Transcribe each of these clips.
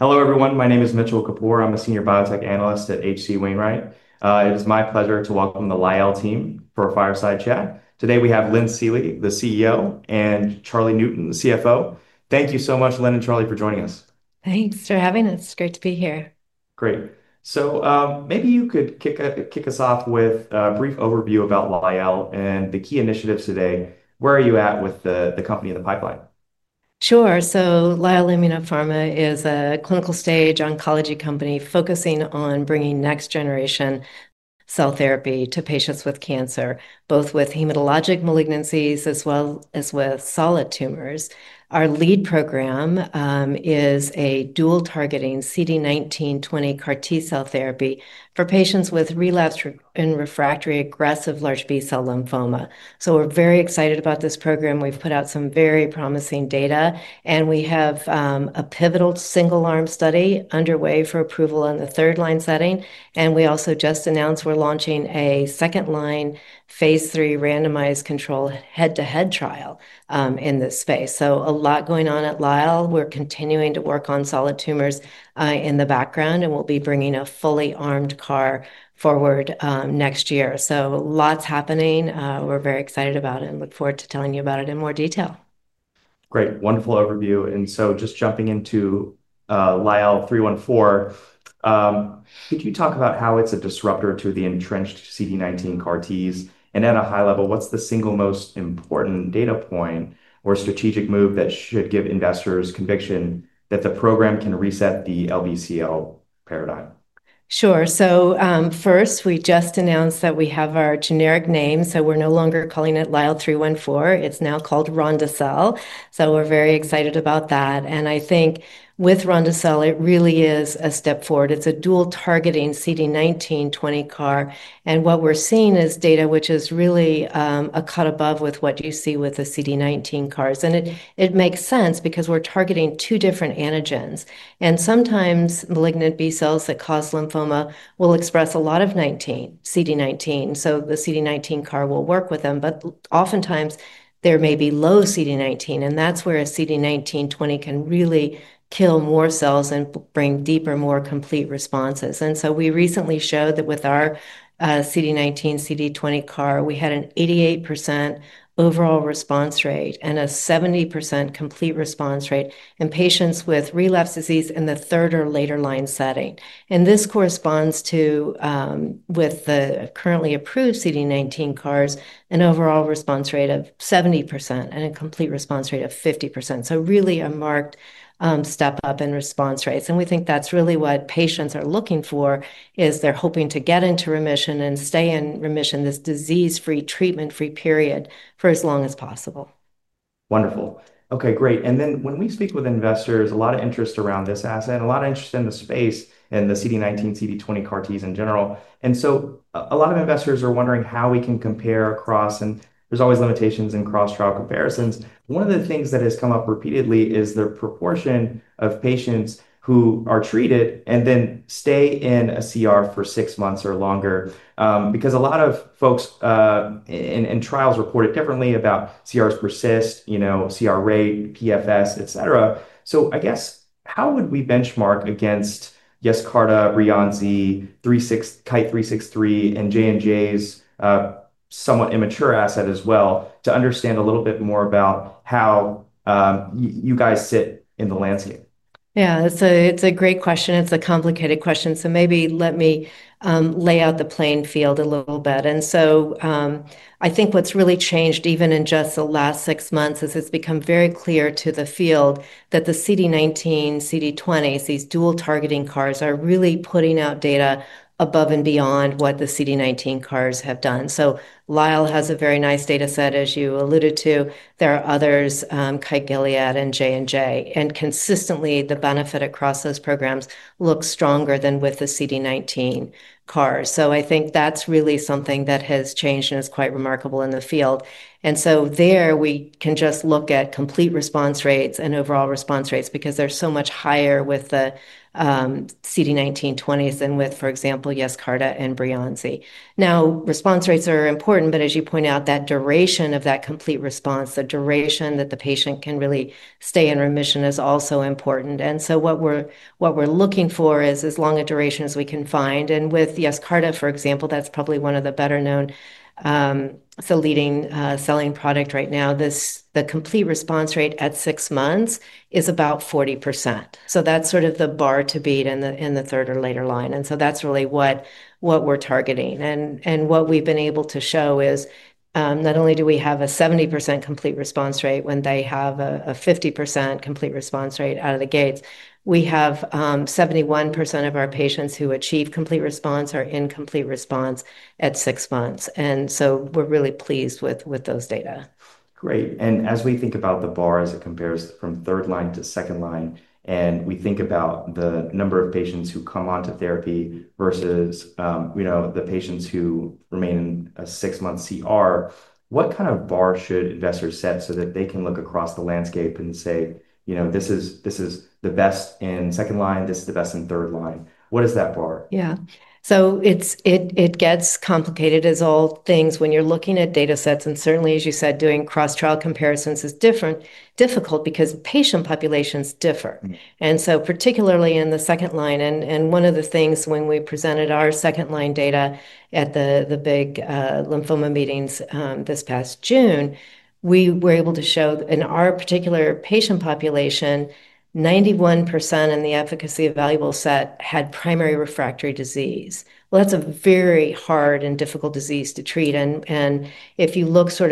Hello everyone. My name is Nitshul Kapoor. I'm a Senior Biotech Analyst at HC Wainwright. It is my pleasure to welcome the Lyell Immunopharma team for a fireside chat. Today we have Lynn Seely, MD, the CEO, and Charles Newton, the CFO. Thank you so much, Lynn and Charles, for joining us. Thanks for having us. It's great to be here. Great. Maybe you could kick us off with a brief overview about Lyell and the key initiatives today. Where are you at with the company in the pipeline? Sure. Lyell Immunopharma is a clinical stage oncology company focusing on bringing next-generation cell therapy to patients with cancer, both with hematologic malignancies as well as with solid tumors. Our lead program is a dual-targeting CD19/20 CAR T cell therapy for patients with relapsed and refractory aggressive large B-cell lymphoma. We are very excited about this program. We have put out some very promising data, and we have a pivotal single-arm study underway for approval in the third-line setting. We also just announced we are launching a second-line phase 3 randomized head-to-head trial in this space. There is a lot going on at Lyell. We are continuing to work on solid tumors in the background, and we will be bringing a fully armed CAR forward next year. There is a lot happening. We are very excited about it and look forward to telling you about it in more detail. Great. Wonderful overview. Just jumping into RondaCell, could you talk about how it's a disruptor to the entrenched CD19 CAR T cell therapies? At a high level, what's the single most important data point or strategic move that should give investors conviction that the program can reset the LBCL paradigm? Sure. First, we just announced that we have our generic name. We're no longer calling it LYL314. It's now called RondaCell. We're very excited about that. I think with RondaCell, it really is a step forward. It's a dual-targeting CD19/20 CAR. What we're seeing is data, which is really a cut above what you see with the CD19 CARs. It makes sense because we're targeting two different antigens. Sometimes malignant B cells that cause lymphoma will express a lot of CD19, so the CD19 CAR will work with them. Oftentimes, there may be low CD19, and that's where a CD19/20 can really kill more cells and bring deeper, more complete responses. We recently showed that with our CD19/CD20 CAR, we had an 88% overall response rate and a 70% complete response rate in patients with relapsed disease in the third or later line setting. This corresponds to, with the currently approved CD19 CARs, an overall response rate of 70% and a complete response rate of 50%. It's really a marked step up in response rates. We think that's really what patients are looking for, is they're hoping to get into remission and stay in remission, this disease-free, treatment-free period for as long as possible. Wonderful. Okay, great. When we speak with investors, a lot of interest around this asset and a lot of interest in the space and the CD19/CD20 CAR Ts in general. A lot of investors are wondering how we can compare across, and there's always limitations in cross-trial comparisons. One of the things that has come up repeatedly is the proportion of patients who are treated and then stay in a complete response for six months or longer. A lot of folks in trials reported differently about complete responses persist, complete response rate, PFS, et cetera. I guess how would we benchmark against Yescarta, Breyanzi, Kite363, and J&J's somewhat immature asset as well to understand a little bit more about how you guys sit in the landscape? Yeah, it's a great question. It's a complicated question. Maybe let me lay out the playing field a little bit. I think what's really changed even in just the last six months is it's become very clear to the field that the CD19/CD20s, these dual-targeting CARs, are really putting out data above and beyond what the CD19 CARs have done. Lyell Immunopharma has a very nice data set, as you alluded to. There are others, Kite, Gilead, and J&J, and consistently the benefit across those programs looks stronger than with the CD19 CARs. I think that's really something that has changed and is quite remarkable in the field. We can just look at complete response rates and overall response rates because they're so much higher with the CD19/20s than with, for example, Yescarta and Breyanzi. Now, response rates are important, but as you point out, the duration of that complete response, the duration that the patient can really stay in remission, is also important. What we're looking for is as long a duration as we can find. With Yescarta, for example, that's probably one of the better known, it's a leading selling product right now. The complete response rate at six months is about 40%. That's sort of the bar to beat in the third or later line. That's really what we're targeting. What we've been able to show is not only do we have a 70% complete response rate when they have a 50% complete response rate out of the gates, we have 71% of our patients who achieve complete response or incomplete response at six months. We're really pleased with those data. Great. As we think about the bar as it compares from third line to second line, and we think about the number of patients who come onto therapy versus the patients who remain in a six-month complete response (CR), what kind of bar should investors set so that they can look across the landscape and say, you know, this is the best in second line, this is the best in third line? What is that bar? Yeah. It gets complicated, as all things, when you're looking at data sets. Certainly, as you said, doing cross-trial comparisons is difficult because patient populations differ. Particularly in the second line, one of the things when we presented our second-line data at the big lymphoma meetings this past June, we were able to show in our particular patient population, 91% in the efficacy evaluable set had primary refractory disease. That's a very hard and difficult disease to treat. If you look at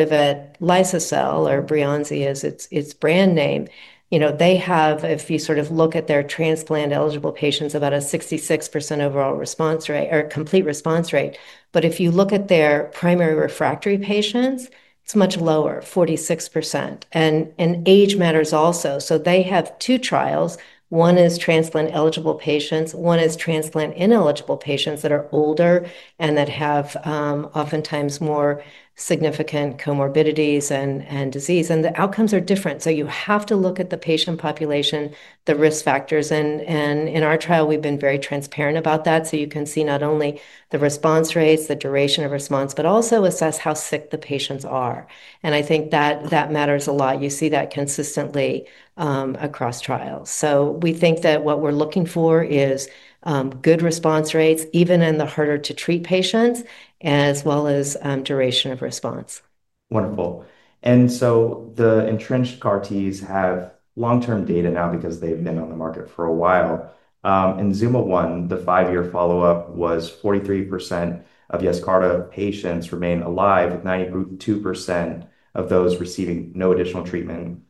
Breyanzi, as its brand name, they have, if you look at their transplant-eligible patients, about a 66% overall response rate or complete response rate. If you look at their primary refractory patients, it's much lower, 46%. Age matters also. They have two trials. One is transplant-eligible patients. One is transplant-ineligible patients that are older and that have oftentimes more significant comorbidities and disease. The outcomes are different. You have to look at the patient population, the risk factors. In our trial, we've been very transparent about that. You can see not only the response rates, the duration of response, but also assess how sick the patients are. I think that matters a lot. You see that consistently across trials. We think that what we're looking for is good response rates, even in the harder-to-treat patients, as well as duration of response. Wonderful. The entrenched CAR T cell therapies have long-term data now because they've been on the market for a while. In ZumaOne, the five-year follow-up was 43% of Yescarta patients remain alive, 92% of those receiving no additional treatment.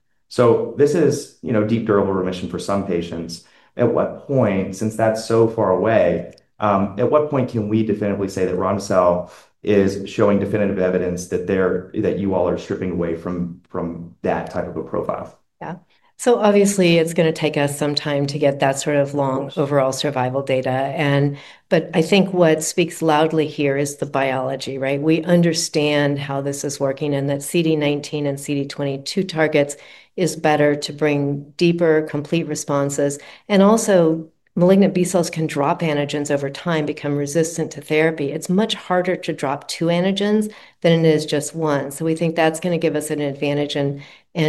This is deep, durable remission for some patients. At what point, since that's so far away, at what point can we definitively say that RondaCell is showing definitive evidence that you all are stripping away from that type of a profile? Yeah. Obviously, it's going to take us some time to get that sort of long overall survival data. I think what speaks loudly here is the biology, right? We understand how this is working and that CD19 and CD20, two targets, is better to bring deeper complete responses. Also, malignant B cells can drop antigens over time, become resistant to therapy. It's much harder to drop two antigens than it is just one. We think that's going to give us an advantage in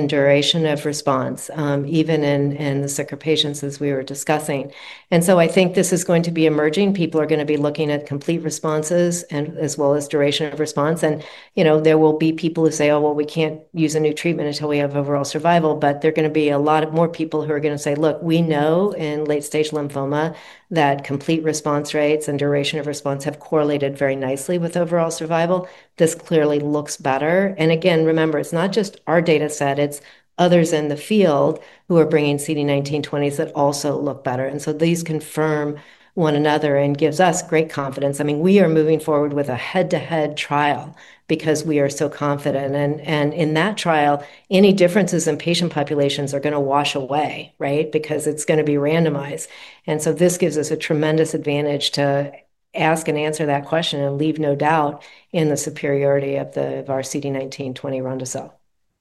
duration of response, even in the sicker patients, as we were discussing. I think this is going to be emerging. People are going to be looking at complete responses as well as duration of response. There will be people who say, oh, we can't use a new treatment until we have overall survival. There are going to be a lot more people who are going to say, look, we know in late-stage lymphoma that complete response rates and duration of response have correlated very nicely with overall survival. This clearly looks better. Again, remember, it's not just our data set. It's others in the field who are bringing CD19/20s that also look better. These confirm one another and give us great confidence. I mean, we are moving forward with a head-to-head trial because we are so confident. In that trial, any differences in patient populations are going to wash away, right? It's going to be randomized. This gives us a tremendous advantage to ask and answer that question and leave no doubt in the superiority of our CD19/20 RondaCell.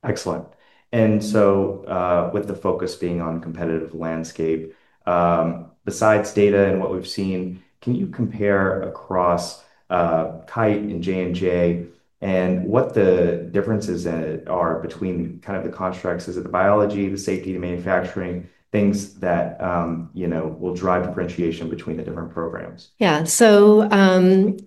Excellent. With the focus being on the competitive landscape, besides data and what we've seen, can you compare across Kite and J&J and what the differences are between kind of the constructs? Is it the biology, the safety, the manufacturing, things that will drive differentiation between the different programs? Yeah.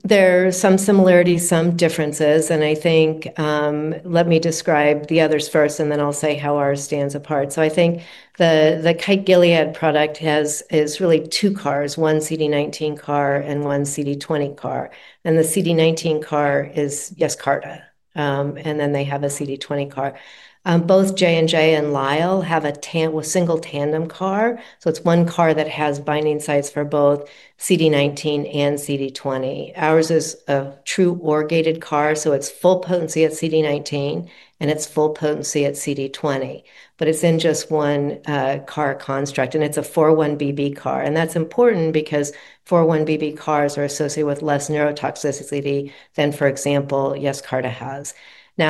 There are some similarities, some differences. Let me describe the others first, then I'll say how ours stands apart. The Kite/Gilead product is really two CARs, one CD19 CAR and one CD20 CAR. The CD19 CAR is Yescarta, and then they have a CD20 CAR. Both J&J and Lyell have a single tandem CAR, so it's one CAR that has binding sites for both CD19 and CD20. Ours is a true orgated CAR, so it's full potency at CD19 and it's full potency at CD20, but it's in just one CAR construct. It's a 4-1BB CAR, and that's important because 4-1BB CARs are associated with less neurotoxicity than, for example, Yescarta has.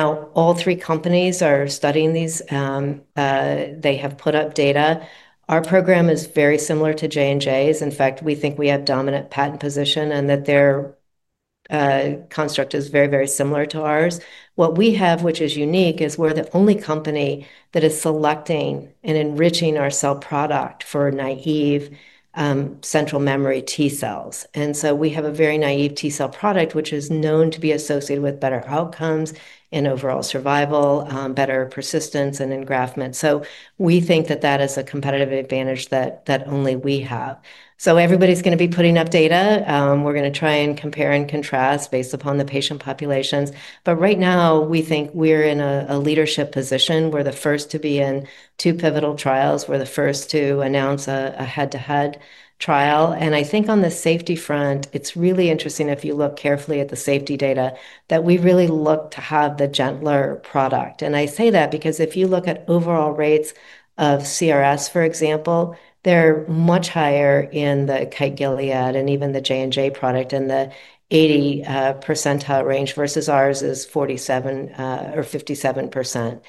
All three companies are studying these. They have put up data. Our program is very similar to J&J's. In fact, we think we have dominant patent position and that their construct is very, very similar to ours. What we have, which is unique, is we're the only company that is selecting and enriching our cell product for naïve central memory T cells. We have a very naïve T cell product, which is known to be associated with better outcomes in overall survival, better persistence, and engraftment. We think that is a competitive advantage that only we have. Everybody's going to be putting up data. We're going to try and compare and contrast based upon the patient populations. Right now, we think we're in a leadership position. We're the first to be in two pivotal trials. We're the first to announce a head-to-head trial. On the safety front, it's really interesting if you look carefully at the safety data that we really look to have the gentler product. I say that because if you look at overall rates of CRS, for example, they're much higher in the Kite/Gilead and even the J&J product in the 80% range versus ours is 47% or 57%.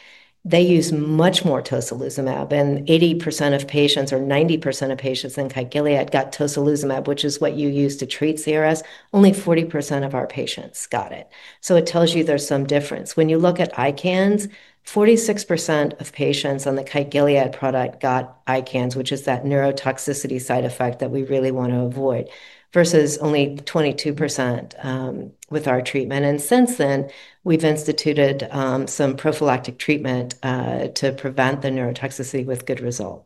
They use much more tocilizumab, and 80% of patients or 90% of patients in Kite/Gilead got tocilizumab, which is what you use to treat CRS. Only 40% of our patients got it, so it tells you there's some difference. When you look at ICANS, 46% of patients on the Kite/Gilead product got ICANS, which is that neurotoxicity side effect that we really want to avoid, versus only 22% with our treatment. Since then, we've instituted some prophylactic treatment to prevent the neurotoxicity with good result.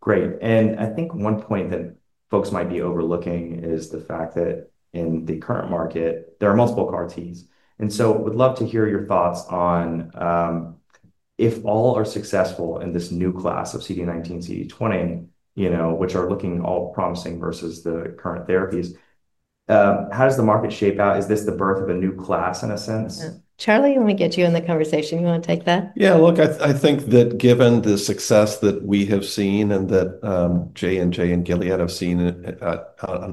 Great. I think one point that folks might be overlooking is the fact that in the current market, there are multiple CAR T cell therapies. I would love to hear your thoughts on if all are successful in this new class of CD19/CD20, which are looking all promising versus the current therapies, how does the market shape out? Is this the birth of a new class in a sense? Charles, you want to get you in the conversation? You want to take that? Yeah, look, I think that given the success that we have seen and that J&J and Gilead have seen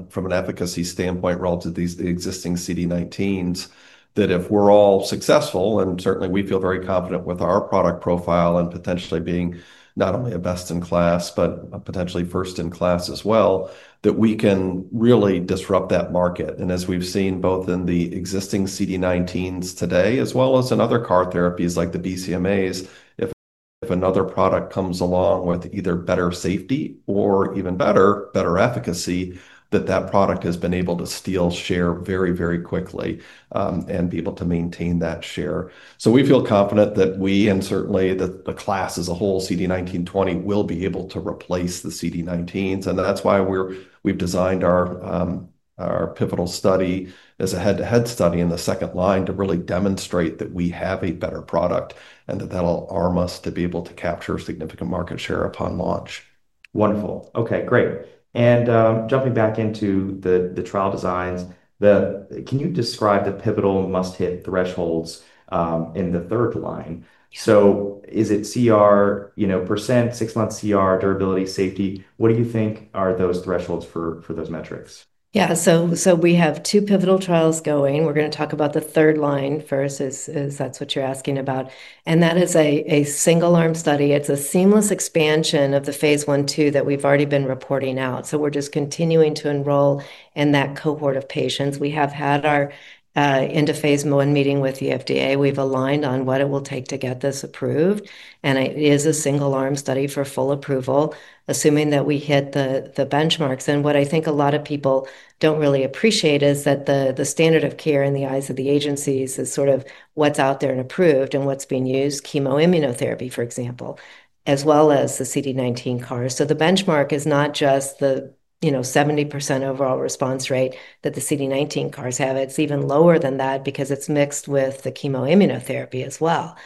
from an efficacy standpoint relative to the existing CD19s, that if we're all successful, and certainly we feel very confident with our product profile and potentially being not only a best in class but potentially first in class as well, that we can really disrupt that market. As we've seen both in the existing CD19s today as well as in other CAR therapies like the BCMAs, if another product comes along with either better safety or even better, better efficacy, that product has been able to steal share very, very quickly and be able to maintain that share. We feel confident that we, and certainly the class as a whole, CD19/20, will be able to replace the CD19s. That's why we've designed our pivotal study as a head-to-head study in the second line to really demonstrate that we have a better product and that that'll arm us to be able to capture significant market share upon launch. Wonderful. Okay, great. Jumping back into the trial designs, can you describe the pivotal must-hit thresholds in the third line? Is it CR %, six-month CR, durability, safety? What do you think are those thresholds for those metrics? Yeah, so we have two pivotal trials going. We're going to talk about the third-line first, as that's what you're asking about. That is a single-arm study. It's a seamless expansion of the phase one/two that we've already been reporting out. We're just continuing to enroll in that cohort of patients. We have had our end-of-phase one meeting with the FDA. We've aligned on what it will take to get this approved. It is a single-arm study for full approval, assuming that we hit the benchmarks. What I think a lot of people don't really appreciate is that the standard of care in the eyes of the agencies is sort of what's out there and approved and what's being used, chemoimmunotherapy, for example, as well as the CD19 CARs. The benchmark is not just the 70% overall response rate that the CD19 CARs have. It's even lower than that because it's mixed with the chemoimmunotherapy as well.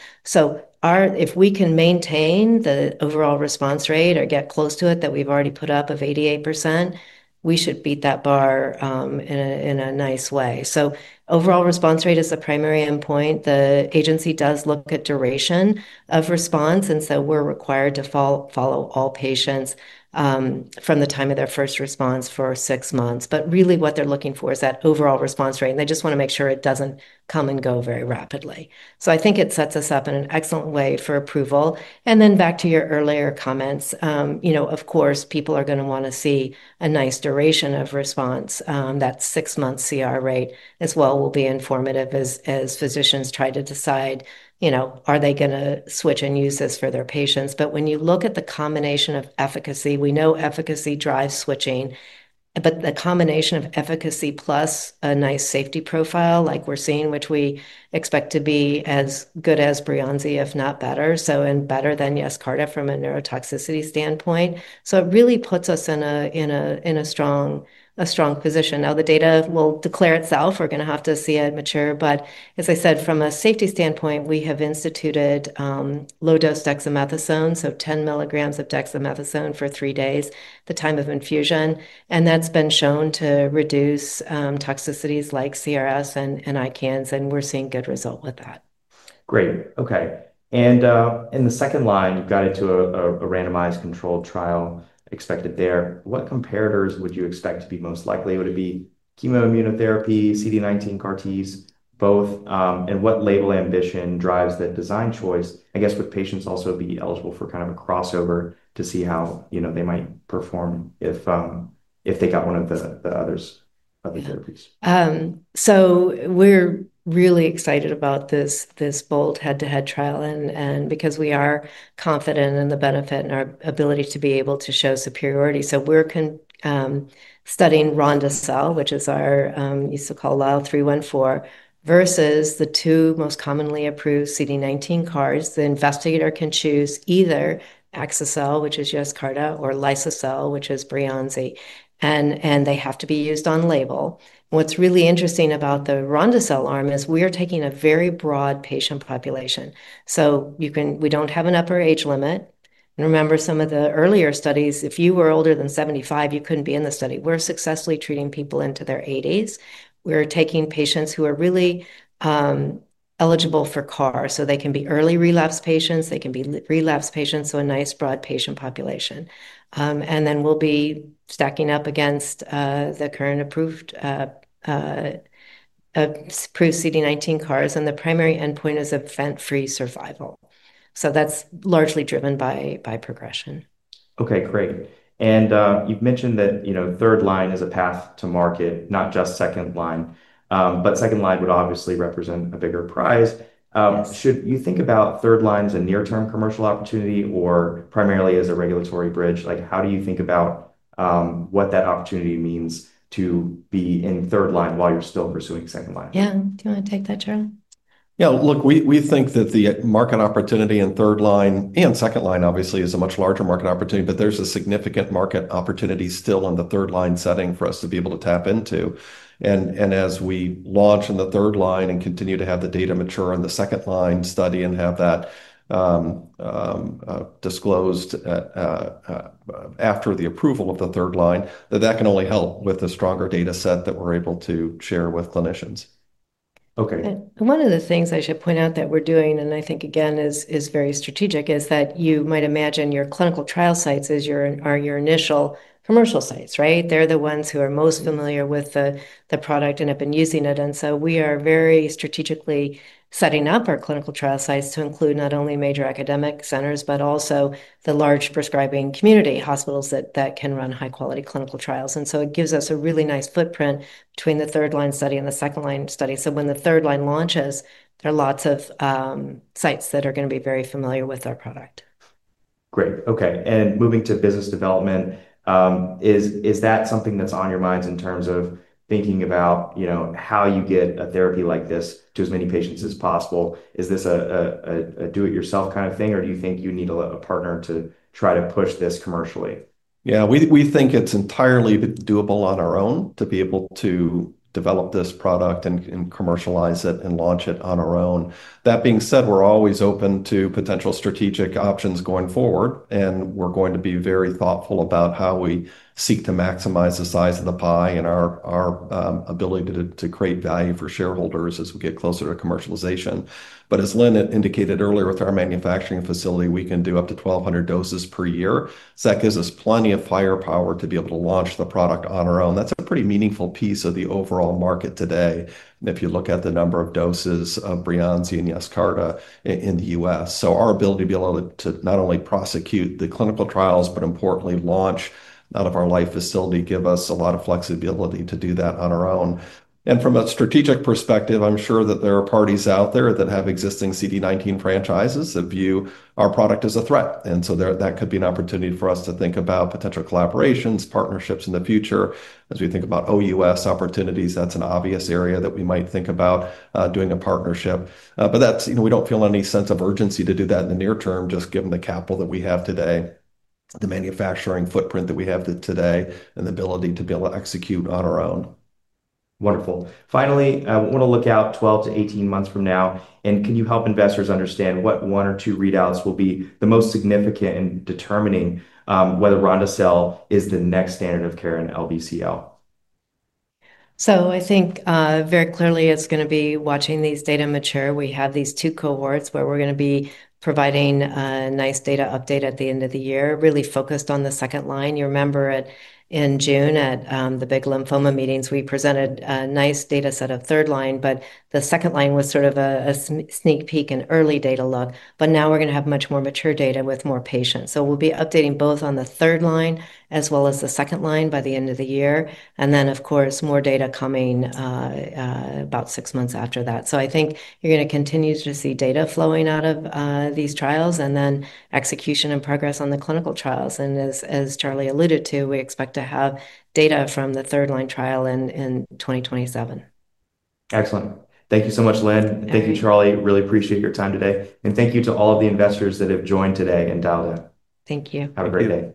If we can maintain the overall response rate or get close to it that we've already put up of 88%, we should beat that bar in a nice way. Overall response rate is the primary endpoint. The agency does look at duration of response, and we're required to follow all patients from the time of their first response for six months. What they're looking for is that overall response rate, and they just want to make sure it doesn't come and go very rapidly. I think it sets us up in an excellent way for approval. Back to your earlier comments, of course, people are going to want to see a nice duration of response. That six-month CR rate as well will be informative as physicians try to decide, you know, are they going to switch and use this for their patients? When you look at the combination of efficacy, we know efficacy drives switching, but the combination of efficacy plus a nice safety profile like we're seeing, which we expect to be as good as Breyanzi, if not better, and better than Yescarta from a neurotoxicity standpoint, it really puts us in a strong position. The data will declare itself. We're going to have to see it mature. As I said, from a safety standpoint, we have instituted low-dose dexamethasone, so 10 milligrams of dexamethasone for three days at the time of infusion, and that's been shown to reduce toxicities like CRS and ICANS. We're seeing good results with that. Great. Okay. In the second line, you've got it to a randomized controlled trial expected there. What competitors would you expect to be most likely? Would it be chemoimmunotherapy, CD19 CAR Ts, both? What label ambition drives that design choice? I guess would patients also be eligible for kind of a crossover to see how they might perform if they got one of the others? We're really excited about this bold head-to-head trial because we are confident in the benefit and our ability to be able to show superiority. We're studying RondaCell, which is our, you used to call LYL314, versus the two most commonly approved CD19 CARs. The investigator can choose either Axicabtagene Ciloleucel, which is Yescarta, or Lisocabtagene Maraleucel, which is Breyanzi. They have to be used on label. What's really interesting about the RondaCell arm is we are taking a very broad patient population. We don't have an upper age limit. Remember, some of the earlier studies, if you were older than 75, you couldn't be in the study. We're successfully treating people into their 80s. We're taking patients who are really eligible for CAR. They can be early relapse patients. They can be relapse patients. A nice broad patient population. We'll be stacking up against the current approved CD19 CARs. The primary endpoint is event-free survival. That's largely driven by progression. Okay, great. You've mentioned that third line is a path to market, not just second line. Second line would obviously represent a bigger prize. Should you think about third line as a near-term commercial opportunity or primarily as a regulatory bridge? How do you think about what that opportunity means to be in third line while you're still pursuing second line? Yeah. Do you want to take that, Charles? Yeah, look, we think that the market opportunity in third line and second line, obviously, is a much larger market opportunity, but there's a significant market opportunity still in the third line setting for us to be able to tap into. As we launch in the third line and continue to have the data mature in the second line study and have that disclosed after the approval of the third line, that can only help with the stronger data set that we're able to share with clinicians. Okay. One of the things I should point out that we're doing, and I think, again, is very strategic, is that you might imagine your clinical trial sites are your initial commercial sites, right? They're the ones who are most familiar with the product and have been using it. We are very strategically setting up our clinical trial sites to include not only major academic centers, but also the large prescribing community, hospitals that can run high-quality clinical trials. It gives us a really nice footprint between the third line study and the second line study. When the third line launches, there are lots of sites that are going to be very familiar with our product. Great. Okay. Moving to business development, is that something that's on your minds in terms of thinking about how you get a therapy like this to as many patients as possible? Is this a do-it-yourself kind of thing, or do you think you need a partner to try to push this commercially? Yeah, we think it's entirely doable on our own to be able to develop this product and commercialize it and launch it on our own. That being said, we're always open to potential strategic options going forward. We're going to be very thoughtful about how we seek to maximize the size of the pie and our ability to create value for shareholders as we get closer to commercialization. As Lynn indicated earlier, with our manufacturing facility, we can do up to 1,200 doses per year. That gives us plenty of firepower to be able to launch the product on our own. That's a pretty meaningful piece of the overall market today. If you look at the number of doses of Breyanzi and Yescarta in the U.S., our ability to be able to not only prosecute the clinical trials, but importantly, launch out of our Lyell facility gives us a lot of flexibility to do that on our own. From a strategic perspective, I'm sure that there are parties out there that have existing CD19 franchises that view our product as a threat. That could be an opportunity for us to think about potential collaborations, partnerships in the future. As we think about ex-U.S. opportunities, that's an obvious area that we might think about doing a partnership. We don't feel any sense of urgency to do that in the near term, just given the capital that we have today, the manufacturing footprint that we have today, and the ability to be able to execute on our own. Wonderful. Finally, I want to look out 12 to 18 months from now. Can you help investors understand what one or two readouts will be the most significant in determining whether RondaCell is the next standard of care in LBCL? I think very clearly it's going to be watching these data mature. We have these two cohorts where we're going to be providing a nice data update at the end of the year, really focused on the second line. You remember in June at the big lymphoma meetings, we presented a nice data set of third line, but the second line was sort of a sneak peek in early data log. Now we're going to have much more mature data with more patients. We'll be updating both on the third line as well as the second line by the end of the year. Of course, more data is coming about six months after that. I think you're going to continue to see data flowing out of these trials and then execution and progress on the clinical trials. As Charles alluded to, we expect to have data from the third line trial in 2027. Excellent. Thank you so much, Lynn. Thank you, Charles. Really appreciate your time today. Thank you to all of the investors that have joined today and dialed in. Thank you. Have a great day.